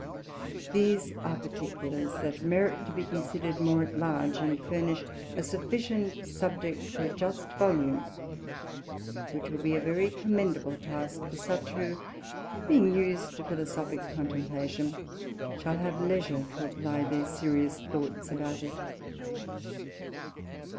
These are Particulars that merit to be consider'd more at large, and furnish a sufficient Subject for a just Volume, which will be a very commendable Task for such, who being us'd to Philosophick Contemplation, shall have leisure to apply their serious Thoughts about it.